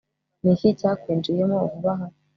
ni iki cyakwinjiyemo vuba aha